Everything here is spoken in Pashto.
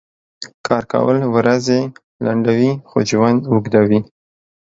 کار کؤل ؤرځې لنډؤي خو ژؤند اوږدؤي .